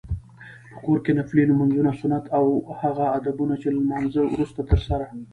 په کور کې نفلي لمونځونه، سنت او هغه ادبونه چې له لمانځته وروسته ترسره